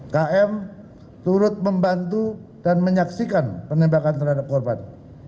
km turut membantu dan menyaksikan penembakan terhadap korban